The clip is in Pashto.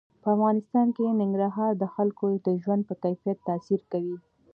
په افغانستان کې ننګرهار د خلکو د ژوند په کیفیت تاثیر کوي.